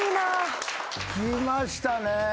きましたね。